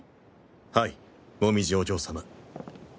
はい紅葉お嬢様。